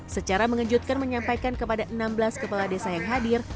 secara mengejutkan menyampaikan kepada enam belas kepala desa yang hadir